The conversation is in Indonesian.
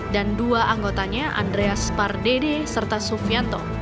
dan dua anggotanya andreas mika